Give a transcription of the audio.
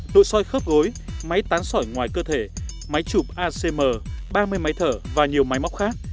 nội soi khớp gối máy tán sỏi ngoài cơ thể máy chụp acm ba mươi máy thở và nhiều máy móc khác